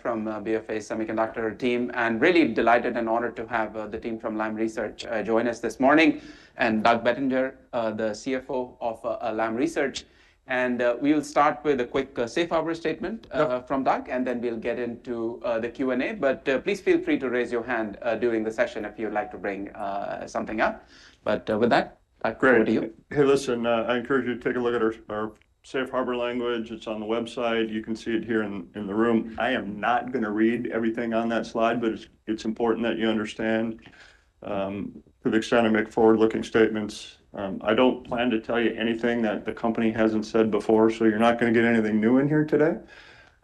From BFA Semiconductor team. I am really delighted and honored to have the team from Lam Research join us this morning, and Doug Bettinger, the CFO of Lam Research. We will start with a quick safe harbor statement from Doug, and then we'll get into the Q&A. Please feel free to raise your hand during the session if you'd like to bring something up. With that, back over to you. Hey, listen, I encourage you to take a look at our safe harbor language. It's on the website. You can see it here in the room. I am not going to read everything on that slide, but it's important that you understand to the extent I make forward-looking statements. I don't plan to tell you anything that the company hasn't said before, so you're not going to get anything new in here today.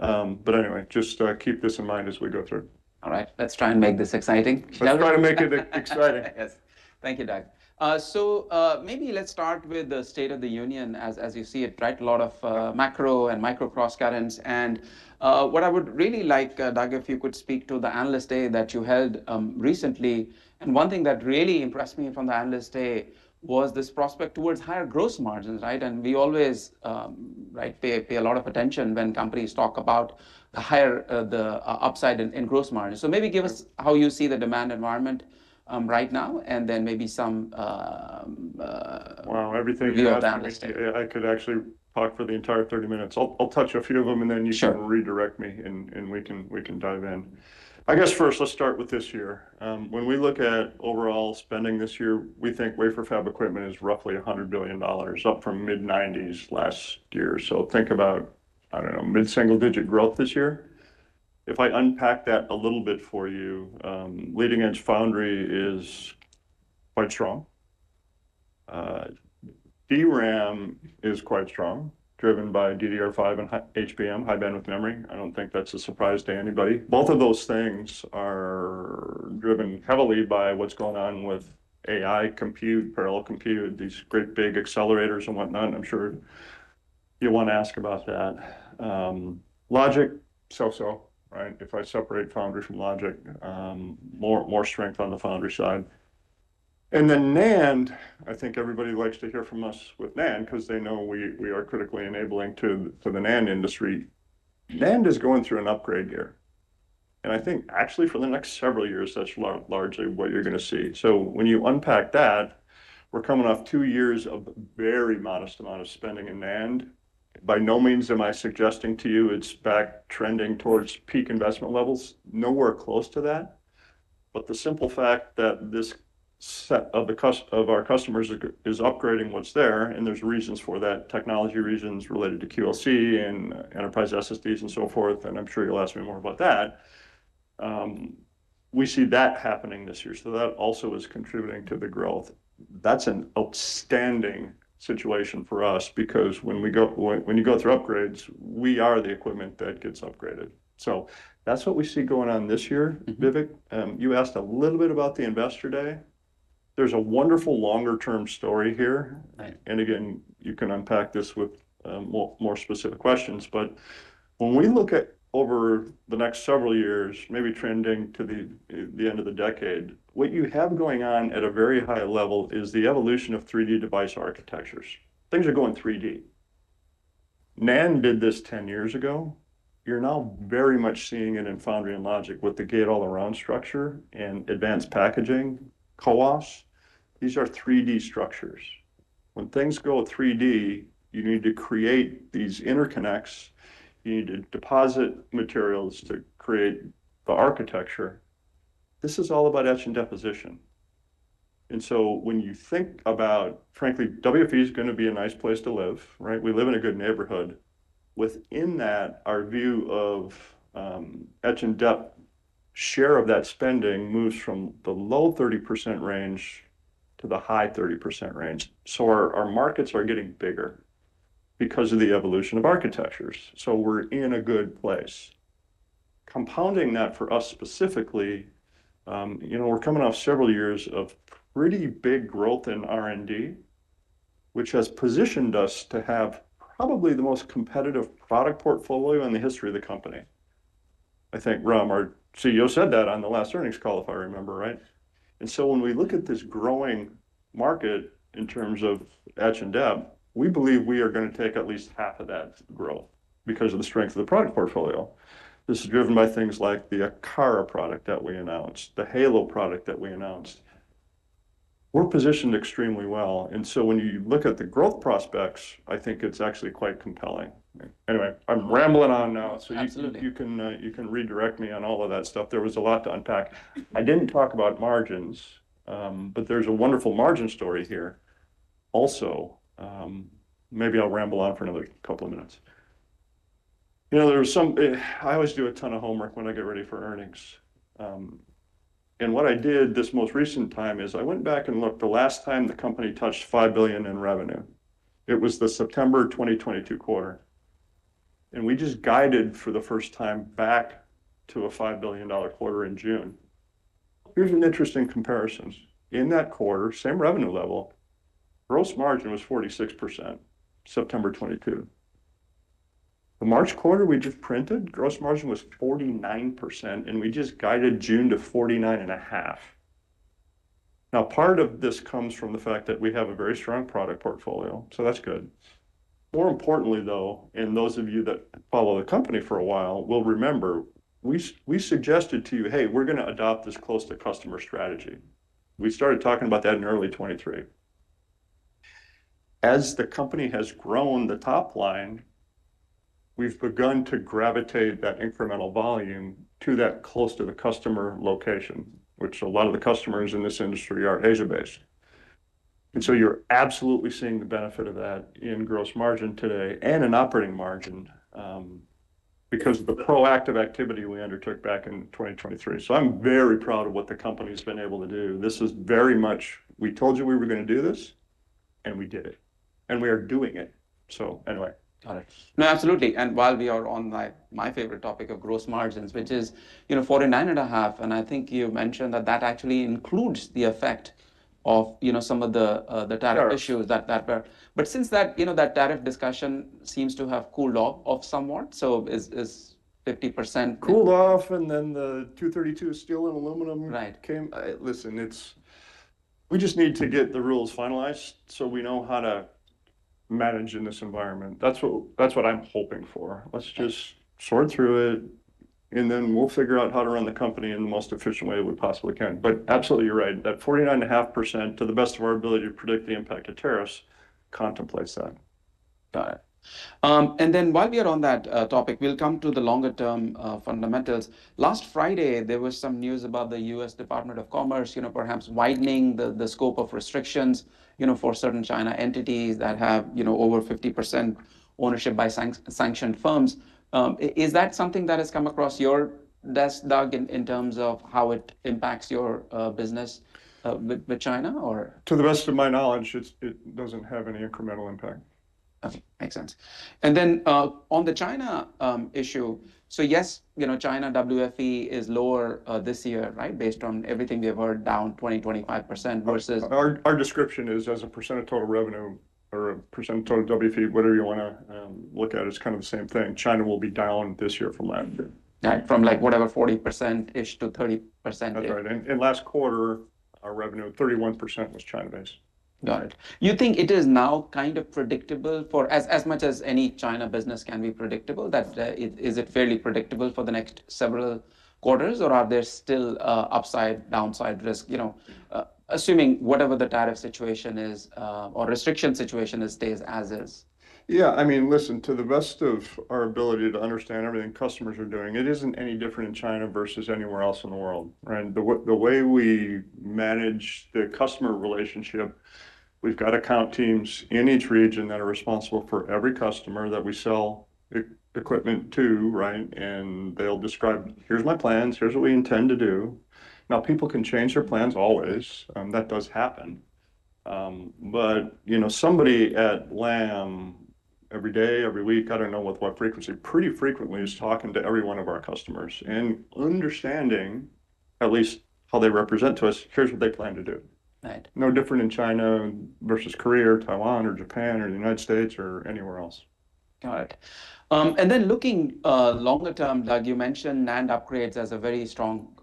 Anyway, just keep this in mind as we go through. All right, let's try and make this exciting. Let's try to make it exciting. Yes. Thank you, Doug. Maybe let's start with the state of the union as you see it, right? A lot of macro and micro cross-currents. What I would really like, Doug, if you could speak to the analyst day that you held recently. One thing that really impressed me from the analyst day was this prospect towards higher gross margins, right? We always pay a lot of attention when companies talk about the upside in gross margins. Maybe give us how you see the demand environment right now, and then maybe some. Everything I could actually talk for the entire 30 minutes. I'll touch a few of them, and then you can redirect me, and we can dive in. I guess first, let's start with this year. When we look at overall spending this year, we think wafer fab equipment is roughly $100 billion, up from mid-$90 billion last year. So think about, I don't know, mid-single-digit growth this year. If I unpack that a little bit for you, leading-edge foundry is quite strong. DRAM is quite strong, driven by DDR5 and HBM, high bandwidth memory. I don't think that's a surprise to anybody. Both of those things are driven heavily by what's going on with AI compute, parallel compute, these great big accelerators and whatnot. I'm sure you want to ask about that. Logic, so-so, right? If I separate foundry from logic, more strength on the foundry side. NAND, I think everybody likes to hear from us with NAND because they know we are critically enabling to the NAND industry. NAND is going through an upgrade year. I think actually for the next several years, that's largely what you're going to see. When you unpack that, we're coming off two years of very modest amount of spending in NAND. By no means am I suggesting to you it's back trending towards peak investment levels. Nowhere close to that. The simple fact that this set of our customers is upgrading what's there, and there's reasons for that, technology reasons related to QLC and enterprise SSDs and so forth, and I'm sure you'll ask me more about that. We see that happening this year. That also is contributing to the growth. That's an outstanding situation for us because when you go through upgrades, we are the equipment that gets upgraded. That's what we see going on this year, Vivek. You asked a little bit about the investor day. There's a wonderful longer-term story here. You can unpack this with more specific questions. When we look at over the next several years, maybe trending to the end of the decade, what you have going on at a very high level is the evolution of 3D device architectures. Things are going 3D. NAND did this 10 years ago. You're now very much seeing it in foundry and logic with the gate all-around structure and advanced packaging, CoWoS. These are 3D structures. When things go 3D, you need to create these interconnects. You need to deposit materials to create the architecture. This is all about etch and deposition. When you think about, frankly, WFE is going to be a nice place to live, right? We live in a good neighborhood. Within that, our view of etch and depth share of that spending moves from the low 30 range to the high 30 range. Our markets are getting bigger because of the evolution of architectures. We're in a good place. Compounding that for us specifically, you know we're coming off several years of pretty big growth in R&D, which has positioned us to have probably the most competitive product portfolio in the history of the company. I think, Ram, our CEO said that on the last earnings call, if I remember right? When we look at this growing market in terms of etch and depth, we believe we are going to take at least half of that growth because of the strength of the product portfolio. This is driven by things like the Aera product that we announced, the Halo product that we announced. We're positioned extremely well. When you look at the growth prospects, I think it's actually quite compelling. Anyway, I'm rambling on now, so you can redirect me on all of that stuff. There was a lot to unpack. I didn't talk about margins, but there's a wonderful margin story here. Also, maybe I'll ramble on for another couple of minutes. You know, I always do a ton of homework when I get ready for earnings. What I did this most recent time is I went back and looked the last time the company touched $5 billion in revenue. It was the September 2022 quarter. We just guided for the first time back to a $5 billion quarter in June. Here's an interesting comparison. In that quarter, same revenue level, gross margin was 46, September 2022. The March quarter we just printed, gross margin was 49%, and we just guided June to 49.5%. Part of this comes from the fact that we have a very strong product portfolio, so that's good. More importantly, though, and those of you that follow the company for a while will remember, we suggested to you, hey, we're going to adopt this close to customer strategy. We started talking about that in early 2023. As the company has grown the top line, we've begun to gravitate that incremental volume to that close to the customer location, which a lot of the customers in this industry are Asia-based. You are absolutely seeing the benefit of that in gross margin today and in operating margin because of the proactive activity we undertook back in 2023. I'm very proud of what the company has been able to do. This is very much, we told you we were going to do this, and we did it. We are doing it. Anyway. Got it. No, absolutely. While we are on my favorite topic of gross margins, which is 49.5%, I think you mentioned that that actually includes the effect of some of the tariff issues that were. Since that tariff discussion seems to have cooled off somewhat, is 50%? Cooled off, and then the 232 steel and aluminum came. Listen, we just need to get the rules finalized so we know how to manage in this environment. That is what I am hoping for. Let us just sort through it, and then we will figure out how to run the company in the most efficient way we possibly can. Absolutely, you are right. That 49.5%, to the best of our ability to predict the impact of tariffs, contemplates that. Got it. While we are on that topic, we'll come to the longer-term fundamentals. Last Friday, there was some news about the U.S. Department of Commerce, you know, perhaps widening the scope of restrictions for certain China entities that have over 50% ownership by sanctioned firms. Is that something that has come across your desk, Doug, in terms of how it impacts your business with China or? To the best of my knowledge, it doesn't have any incremental impact. Okay, makes sense. On the China issue, yes, you know China WFE is lower this year, right, based on everything we have heard, down 20%-25%. Our description is as a % of total revenue or a of total WFE, whatever you want to look at, it's kind of the same thing. China will be down this year from last year. Right, from like whatever, 40%-ish to 30%-ish. That's right. Last quarter, our revenue, 31% was China-based. Got it. You think it is now kind of predictable for as much as any China business can be predictable? Is it fairly predictable for the next several quarters, or are there still upside, downside risks, assuming whatever the tariff situation is or restriction situation stays as is? Yeah, I mean, listen, to the best of our ability to understand everything customers are doing, it isn't any different in China versus anywhere else in the world. The way we manage the customer relationship, we've got account teams in each region that are responsible for every customer that we sell equipment to, right? They'll describe, here's my plans, here's what we intend to do. Now, people can change their plans always. That does happen. But you know somebody at Lam every day, every week, I don't know with what frequency, pretty frequently is talking to every one of our customers and understanding at least how they represent to us, here's what they plan to do. No different in China versus Korea, Taiwan, or Japan, or the United States, or anywhere else. Got it. Then looking longer-term, Doug, you mentioned NAND upgrades as a very strong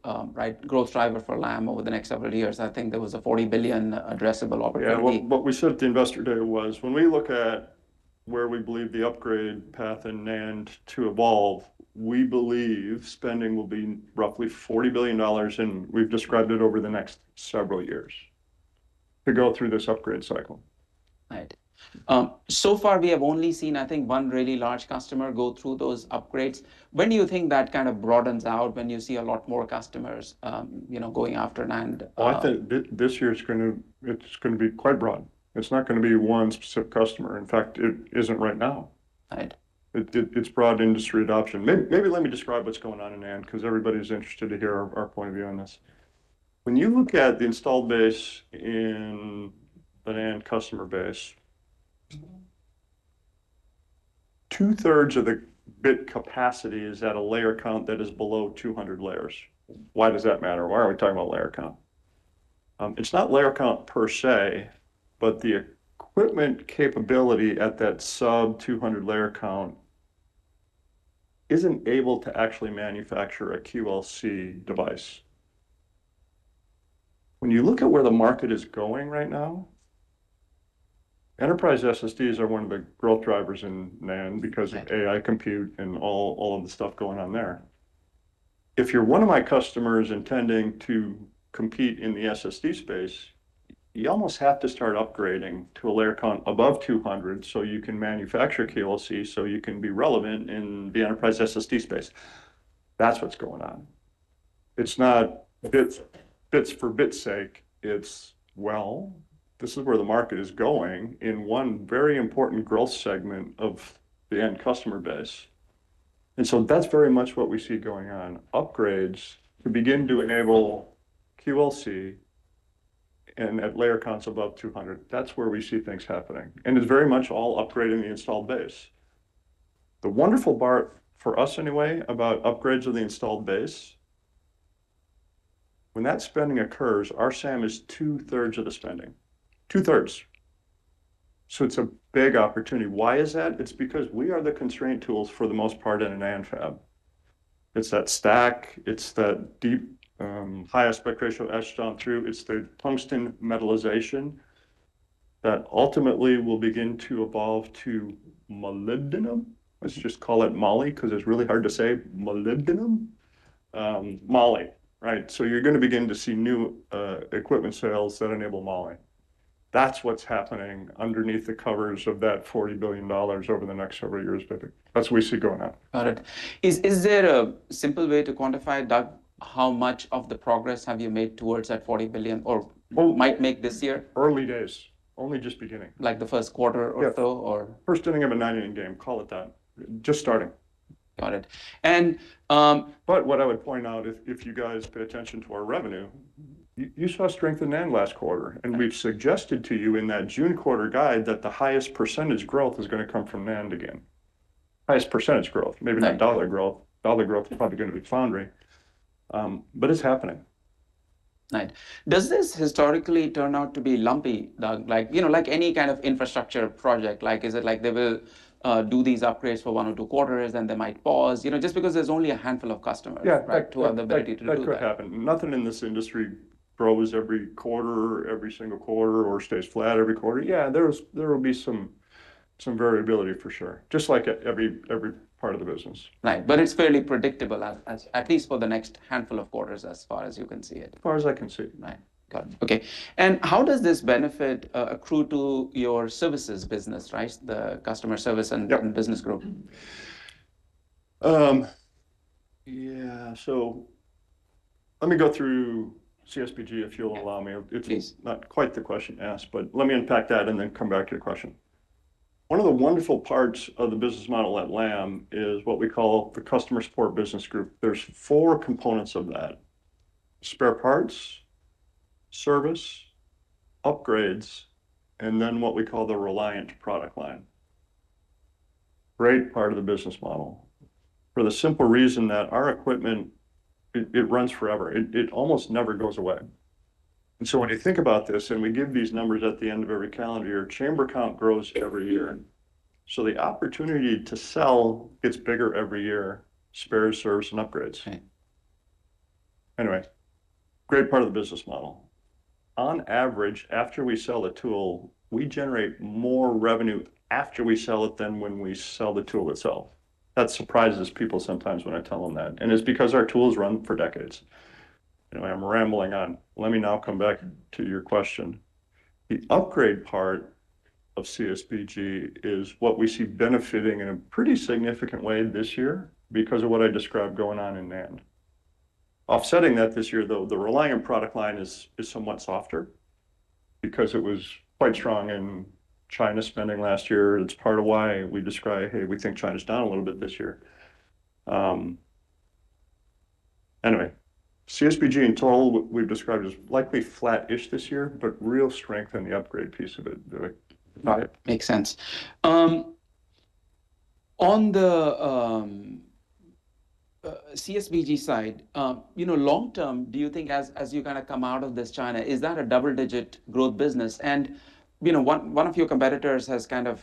growth driver for Lam over the next several years. I think there was a $40 billion addressable opportunity. Yeah, what we said at the investor day was, when we look at where we believe the upgrade path in NAND to evolve, we believe spending will be roughly $40 billion, and we've described it over the next several years to go through this upgrade cycle. Right. So far, we have only seen, I think, one really large customer go through those upgrades. When do you think that kind of broadens out when you see a lot more customers going after NAND? I think this year it's going to be quite broad. It's not going to be one specific customer. In fact, it isn't right now. It's broad industry adoption. Maybe let me describe what's going on in NAND because everybody's interested to hear our point of view on this. When you look at the installed base in the NAND customer base, two-thirds of the bit capacity is at a layer count that is below 200 layers. Why does that matter? Why are we talking about layer count? It's not layer count per se, but the equipment capability at that sub-200 layer count isn't able to actually manufacture a QLC device. When you look at where the market is going right now, enterprise SSDs are one of the growth drivers in NAND because of AI compute and all of the stuff going on there. If you're one of my customers intending to compete in the SSD space, you almost have to start upgrading to a layer count above 200 so you can manufacture QLC so you can be relevant in the enterprise SSD space. That's what's going on. It's not bits for bits' sake. This is where the market is going in one very important growth segment of the end customer base. That is very much what we see going on. Upgrades to begin to enable QLC and at layer counts above 200, that's where we see things happening. It is very much all upgrading the installed base. The wonderful part for us anyway about upgrades of the installed base, when that spending occurs, our SAM is two-thirds of the spending. Two-thirds. It is a big opportunity. Why is that? It's because we are the constraint tools for the most part in a NAND fab. It's that stack. It's that deep high aspect ratio etch on through. It's the tungsten metalization that ultimately will begin to evolve to molybdenum. Let's just call it molly because it's really hard to say molybdenum. Molly, right? You are going to begin to see new equipment sales that enable molly. That's what's happening underneath the covers of that $40 billion over the next several years, Vivek. That's what we see going on. Got it. Is there a simple way to quantify, Doug, how much of the progress have you made towards that $40 billion or might make this year? Early days. Only just beginning. Like the first quarter or so? Yeah. First inning of a 90-game game. Call it that. Just starting. Got it. What I would point out, if you guys pay attention to our revenue, you saw strength in NAND last quarter. We have suggested to you in that June quarter guide that the highest percentage growth is going to come from NAND again. Highest % growth, maybe not dollar growth. Dollar growth is probably going to be foundry. It is happening. Right. Does this historically turn out to be lumpy, Doug? Like any kind of infrastructure project, like is it like they will do these upgrades for one or two quarters and they might pause just because there's only a handful of customers that have the ability to do that? Yeah, that could happen. Nothing in this industry grows every quarter, every single quarter, or stays flat every quarter. Yeah, there will be some variability for sure, just like every part of the business. Right, but it's fairly predictable, at least for the next handful of quarters as far as you can see it. As far as I can see. Right. Got it. Okay. How does this benefit accrue to your services business, right? The customer service and business growth? Yeah, so let me go through CSBG, if you'll allow me. Please. It's not quite the question asked, but let me unpack that and then come back to your question. One of the wonderful parts of the business model at Lam is what we call the customer support business group. There are four components of that: spare parts, service, upgrades, and then what we call the reliant product line. Great part of the business model for the simple reason that our equipment, it runs forever. It almost never goes away. When you think about this and we give these numbers at the end of every calendar year, chamber count grows every year. The opportunity to sell gets bigger every year, spare, service, and upgrades. Anyway, great part of the business model. On average, after we sell the tool, we generate more revenue after we sell it than when we sell the tool itself. That surprises people sometimes when I tell them that. It's because our tools run for decades. I'm rambling on. Let me now come back to your question. The upgrade part of CSBG is what we see benefiting in a pretty significant way this year because of what I described going on in NAND. Offsetting that this year, though, the Reliant product line is somewhat softer because it was quite strong in China spending last year. It's part of why we describe, hey, we think China's down a little bit this year. Anyway, CSBG in total, we've described as likely flat-ish this year, but real strength in the upgrade piece of it. Makes sense. On the CSBG side, you know long-term, do you think as you kind of come out of this China, is that a double-digit growth business? You know, one of your competitors has kind of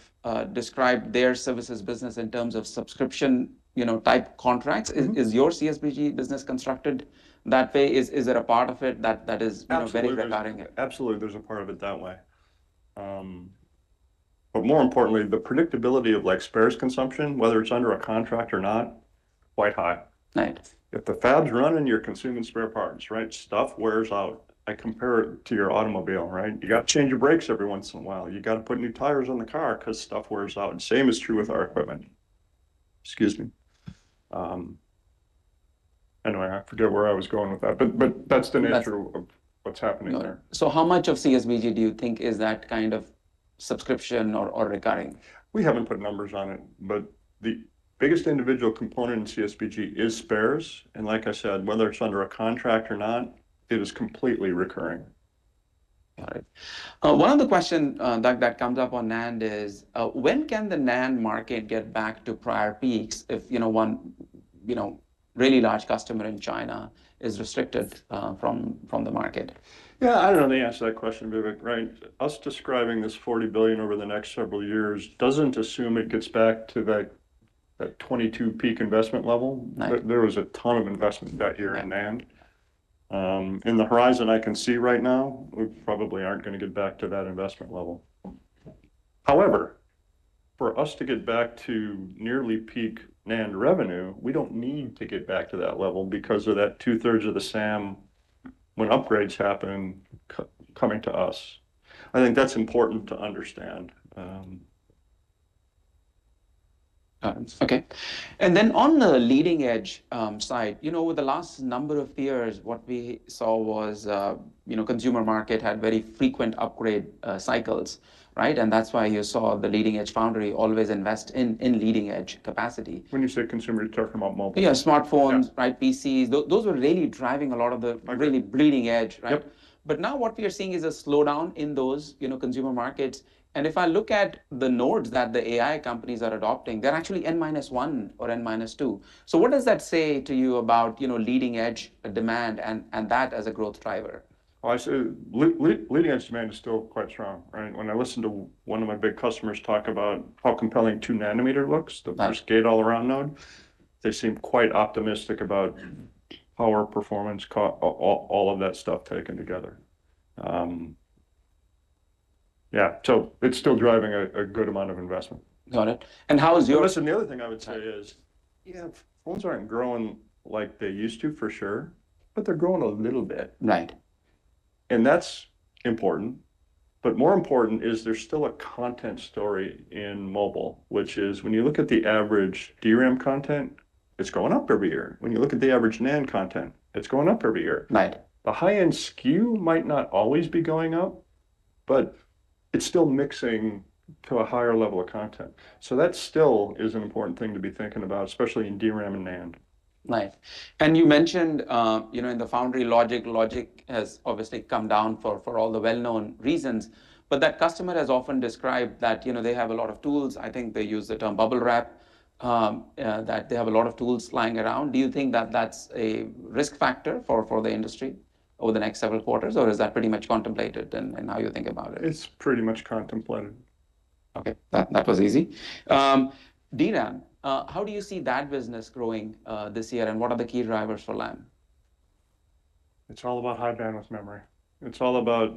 described their services business in terms of subscription-type contracts. Is your CSBG business constructed that way? Is there a part of it that is very regarding it? Absolutely. There is a part of it that way. More importantly, the predictability of spares consumption, whether it is under a contract or not, is quite high. If the fabs run, you are consuming spare parts, right? Stuff wears out. I compare it to your automobile, right? You have to change your brakes every once in a while. You have to put new tires on the car because stuff wears out. The same is true with our equipment. Excuse me. Anyway, I forget where I was going with that, but that is the nature of what is happening there. How much of CSBG do you think is that kind of subscription or recurring? We haven't put numbers on it, but the biggest individual component in CSBG is spares. Like I said, whether it's under a contract or not, it is completely recurring. Got it. One other question, Doug, that comes up on NAND is, when can the NAND market get back to prior peaks if one really large customer in China is restricted from the market? Yeah, I don't know the answer to that question, Vivek, right? Us describing this $40 billion over the next several years doesn't assume it gets back to that $22 billion peak investment level. There was a ton of investment that year in NAND. In the horizon I can see right now, we probably aren't going to get back to that investment level. However, for us to get back to nearly peak NAND revenue, we don't need to get back to that level because of that two-thirds of the SAM when upgrades happen coming to us. I think that's important to understand. Got it. Okay. On the leading edge side, you know over the last number of years, what we saw was consumer market had very frequent upgrade cycles, right? That is why you saw the leading edge foundry always invest in leading edge capacity. When you say consumer, you're talking about mobile phones. Yeah, smartphones, right? PCs. Those were really driving a lot of the really bleeding edge, right? Now what we are seeing is a slowdown in those consumer markets. If I look at the nodes that the AI companies are adopting, they're actually N minus one or N minus two. What does that say to you about leading edge demand and that as a growth driver? Leading edge demand is still quite strong, right? When I listen to one of my big customers talk about how compelling two-nanometer looks, the first gate all-around node, they seem quite optimistic about power performance, all of that stuff taken together. Yeah, it is still driving a good amount of investment. Got it. How is your. Listen, the other thing I would say is, yeah, phones are not growing like they used to for sure, but they are growing a little bit. That is important. More important is there is still a content story in mobile, which is when you look at the average DRAM content, it is going up every year. When you look at the average NAND content, it is going up every year. The high-end SKU might not always be going up, but it is still mixing to a higher level of content. That still is an important thing to be thinking about, especially in DRAM and NAND. Nice. You mentioned in the foundry logic, logic has obviously come down for all the well-known reasons. That customer has often described that they have a lot of tools. I think they use the term bubble wrap, that they have a lot of tools flying around. Do you think that that's a risk factor for the industry over the next several quarters, or is that pretty much contemplated in how you think about it? It's pretty much contemplated. Okay. That was easy. DRAM, how do you see that business growing this year and what are the key drivers for Lam? It's all about high bandwidth memory. It's all about,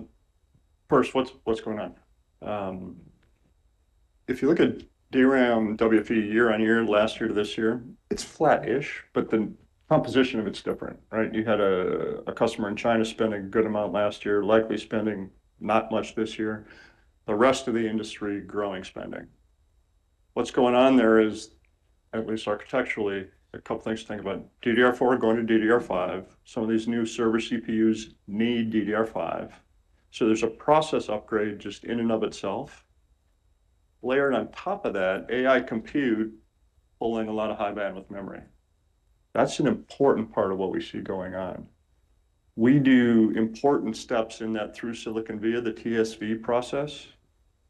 first, what's going on? If you look at DRAM, WFE year on year, last year to this year, it's flat-ish, but the composition of it's different, right? You had a customer in China spending a good amount last year, likely spending not much this year. The rest of the industry growing spending. What's going on there is, at least architecturally, a couple of things to think about. DDR4 going to DDR5. Some of these new server CPUs need DDR5. So there's a process upgrade just in and of itself. Layered on top of that, AI compute pulling a lot of high bandwidth memory. That's an important part of what we see going on. We do important steps in that through silicon via the TSV process.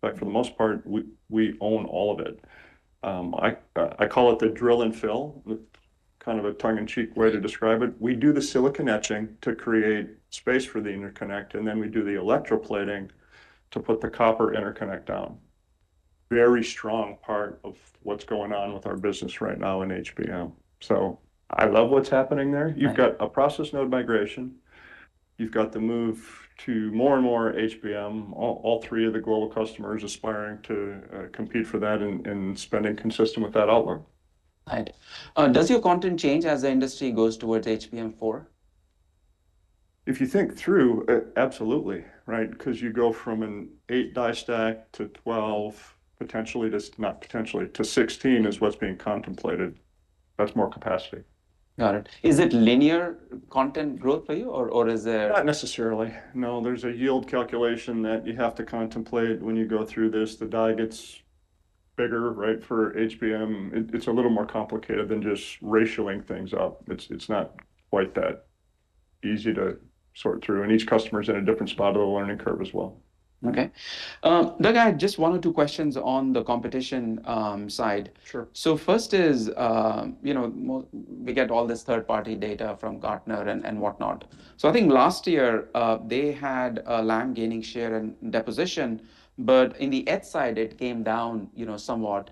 But for the most part, we own all of it. I call it the drill and fill, kind of a tongue-in-cheek way to describe it. We do the silicon etching to create space for the interconnect, and then we do the electroplating to put the copper interconnect down. Very strong part of what's going on with our business right now in HBM. I love what's happening there. You have got a process node migration. You have got the move to more and more HBM, all three of the global customers aspiring to compete for that and spending consistent with that outlook. Right. Does your content change as the industry goes towards HBM4? If you think through, absolutely, right? Because you go from an 8 die stack to 12, potentially to, not potentially, to 16 is what's being contemplated. That's more capacity. Got it. Is it linear content growth for you, or is there? Not necessarily. No, there's a yield calculation that you have to contemplate when you go through this. The die gets bigger, right? For HBM, it's a little more complicated than just ratcheting things up. It's not quite that easy to sort through. Each customer is in a different spot of the learning curve as well. Okay. Doug, I had just one or two questions on the competition side. First is we get all this third-party data from Gartner and whatnot. I think last year they had Lam gaining share in deposition, but in the etch side, it came down somewhat.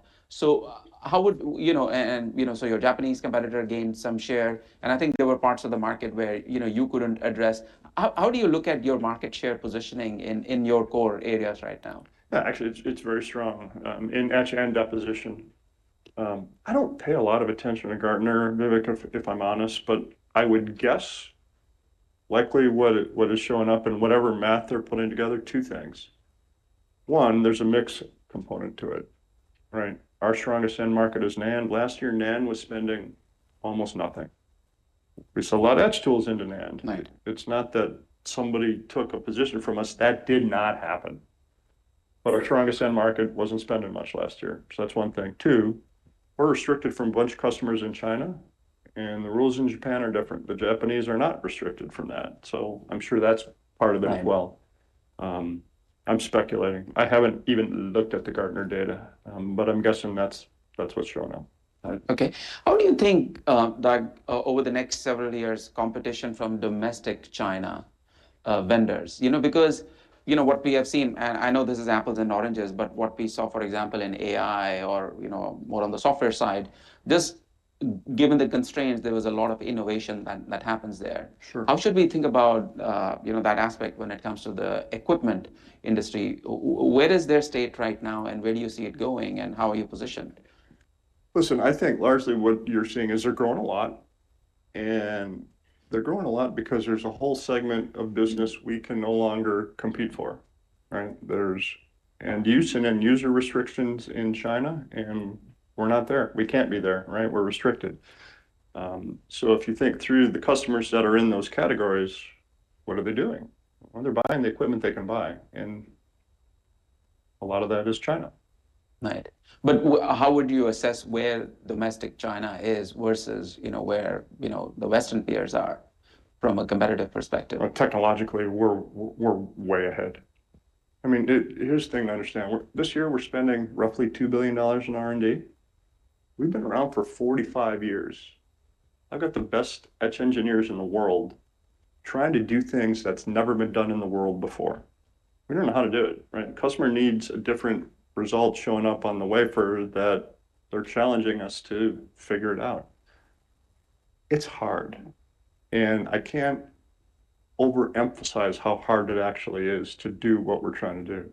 How would, and your Japanese competitor gained some share. I think there were parts of the market where you could not address. How do you look at your market share positioning in your core areas right now? Yeah, actually, it's very strong in etch and deposition. I don't pay a lot of attention to Gartner, Vivek, if I'm honest, but I would guess likely what is showing up in whatever math they're putting together, two things. One, there's a mix component to it, right? Our strongest end market is NAND. Last year, NAND was spending almost nothing. We sold a lot of etch tools into NAND. It's not that somebody took a position from us. That did not happen. Our strongest end market wasn't spending much last year. That's one thing. Two, we're restricted from a bunch of customers in China, and the rules in Japan are different. The Japanese are not restricted from that. I'm sure that's part of it as well. I'm speculating. I haven't even looked at the Gartner data, but I'm guessing that's what's showing up. Okay. How do you think, Doug, over the next several years, competition from domestic China vendors? Because what we have seen, and I know this is apples and oranges, but what we saw, for example, in AI or more on the software side, just given the constraints, there was a lot of innovation that happens there. How should we think about that aspect when it comes to the equipment industry? Where is their state right now, and where do you see it going, and how are you positioned? Listen, I think largely what you're seeing is they're growing a lot. They're growing a lot because there's a whole segment of business we can no longer compete for, right? There's end-use and end-user restrictions in China, and we're not there. We can't be there, right? We're restricted. If you think through the customers that are in those categories, what are they doing? They're buying the equipment they can buy. A lot of that is China. Right. How would you assess where domestic China is versus where the Western peers are from a competitive perspective? Technologically, we're way ahead. I mean, here's the thing to understand. This year, we're spending roughly $2 billion in R&D. We've been around for 45 years. I've got the best etch engineers in the world trying to do things that's never been done in the world before. We don't know how to do it, right? Customer needs a different result showing up on the wafer that they're challenging us to figure it out. It's hard. I can't overemphasize how hard it actually is to do what we're trying to do.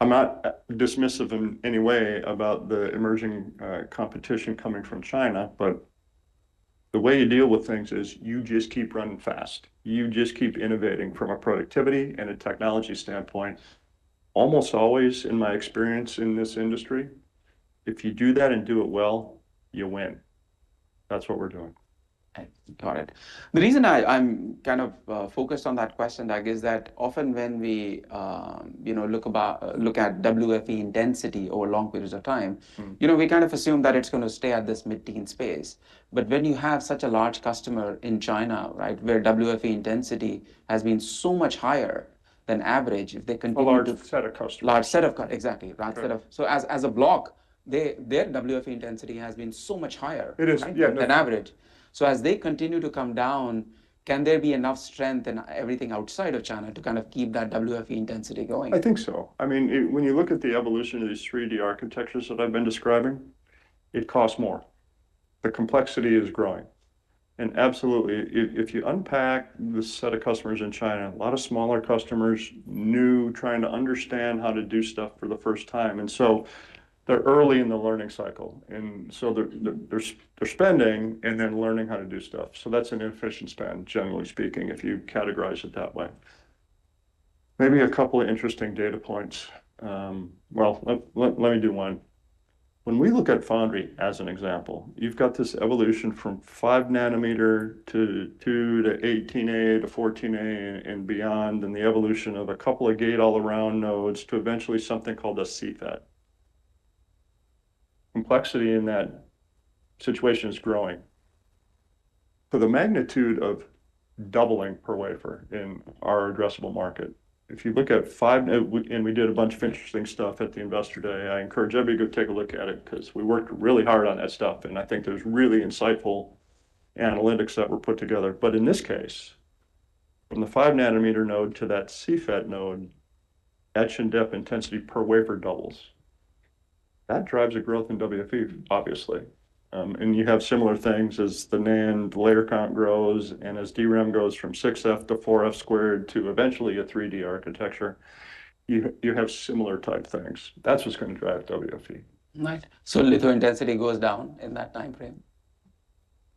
I'm not dismissive in any way about the emerging competition coming from China, but the way you deal with things is you just keep running fast. You just keep innovating from a productivity and a technology standpoint. Almost always, in my experience in this industry, if you do that and do it well, you win. That's what we're doing. Got it. The reason I'm kind of focused on that question, Doug, is that often when we look at WFE intensity over long periods of time, we kind of assume that it's going to stay at this mid-teen space. But when you have such a large customer in China, right, where WFE intensity has been so much higher than average, if they continue. A large set of customers. Large set of, exactly. Large set of. As a block, their WFE intensity has been so much higher than average. As they continue to come down, can there be enough strength in everything outside of China to kind of keep that WFE intensity going? I think so. I mean, when you look at the evolution of these 3D architectures that I've been describing, it costs more. The complexity is growing. Absolutely, if you unpack the set of customers in China, a lot of smaller customers, new, trying to understand how to do stuff for the first time. They are early in the learning cycle. They are spending and then learning how to do stuff. That is an inefficient spend, generally speaking, if you categorize it that way. Maybe a couple of interesting data points. Let me do one. When we look at foundry as an example, you have got this evolution from 5 nanometer to 2 to 18A to 14A and beyond, and the evolution of a couple of gate all-around nodes to eventually something called a CFET. Complexity in that situation is growing. For the magnitude of doubling per wafer in our addressable market, if you look at 5, and we did a bunch of interesting stuff at the investor day, I encourage everybody to go take a look at it because we worked really hard on that stuff. I think there's really insightful analytics that were put together. In this case, from the 5 nanometer node to that CFET node, etch and dep intensity per wafer doubles. That drives a growth in WFE, obviously. You have similar things as the NAND layer count grows and as DRAM goes from 6F to 4F squared to eventually a 3D architecture. You have similar type things. That's what's going to drive WFE. Right. So lithointensity goes down in that time frame?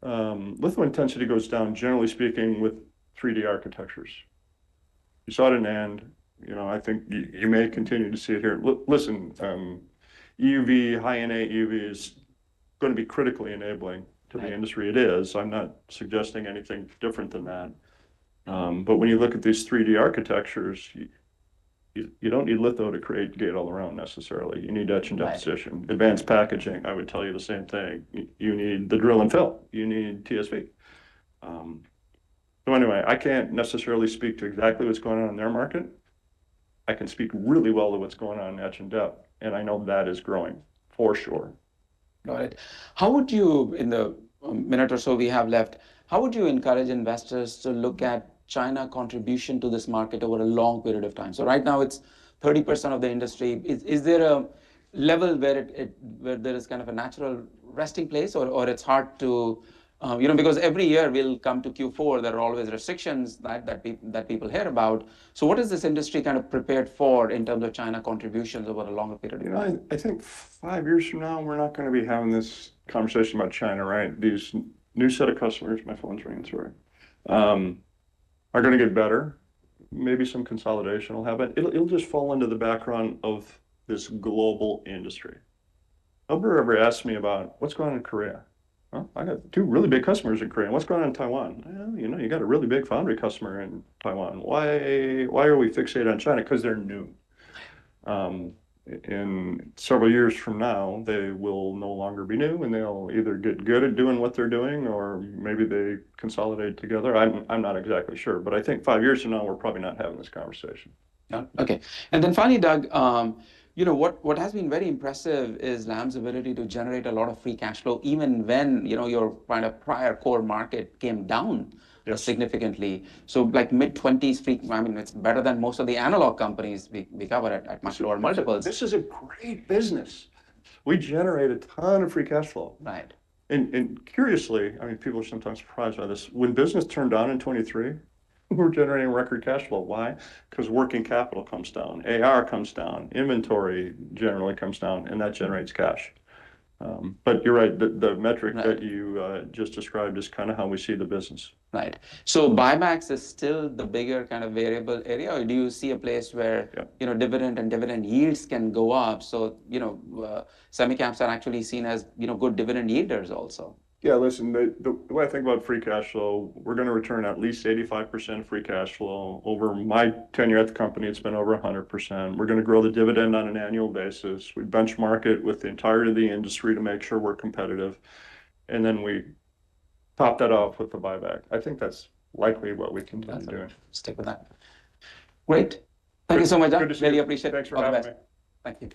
Lithointensity goes down, generally speaking, with 3D architectures. You saw it in NAND. I think you may continue to see it here. Listen, EUV, high-end EUV is going to be critically enabling to the industry. It is. I'm not suggesting anything different than that. When you look at these 3D architectures, you do not need litho to create gate all-around necessarily. You need etch and deposition, advanced packaging. I would tell you the same thing. You need the drill and fill. You need TSV. Anyway, I cannot necessarily speak to exactly what is going on in their market. I can speak really well to what is going on in etch and dep. And I know that is growing for sure. Got it. How would you, in the minute or so we have left, how would you encourage investors to look at China contribution to this market over a long period of time? Right now, it's 30% of the industry. Is there a level where there is kind of a natural resting place or it's hard to, because every year we'll come to Q4, there are always restrictions that people hear about. What is this industry kind of prepared for in terms of China contributions over a longer period of time? I think five years from now, we're not going to be having this conversation about China, right? These new set of customers, my phone's ringing, sorry, are going to get better. Maybe some consolidation will happen. It'll just fall into the background of this global industry. Nobody ever asked me about what's going on in Korea. I got two really big customers in Korea. What's going on in Taiwan? You got a really big foundry customer in Taiwan. Why are we fixated on China? Because they're new. And several years from now, they will no longer be new, and they'll either get good at doing what they're doing or maybe they consolidate together. I'm not exactly sure. But I think five years from now, we're probably not having this conversation. Yeah. Okay. And then finally, Doug, what has been very impressive is Lam's ability to generate a lot of free cash flow even when your prior core market came down significantly. So like mid-20s, I mean, it's better than most of the analog companies we cover at much lower multiples. This is a great business. We generate a ton of free cash flow. Curiously, I mean, people are sometimes surprised by this. When business turned on in 2023, we were generating record cash flow. Why? Because working capital comes down. AR comes down. Inventory generally comes down, and that generates cash. You're right. The metric that you just described is kind of how we see the business. Right. So buybacks is still the bigger kind of variable area, or do you see a place where dividend and dividend yields can go up? So semiconductors are actually seen as good dividend yielders also. Yeah. Listen, the way I think about free cash flow, we're going to return at least 85% free cash flow. Over my tenure at the company, it's been over 100%. We're going to grow the dividend on an annual basis. We benchmark it with the entirety of the industry to make sure we're competitive. We top that off with a buyback. I think that's likely what we continue doing. Got it. Stick with that. Great. Thank you so much, Doug. Really appreciate it. Thanks for having me. Thanks.